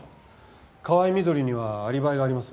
河合みどりにはアリバイがあります。